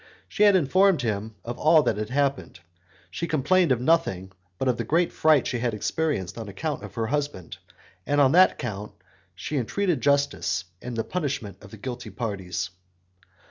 She had informed him of all that had happened; she complained of nothing but of the great fright she had experienced on account of her husband, and on that count she entreated justice and the punishment of the guilty parties.